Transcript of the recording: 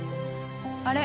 あれ？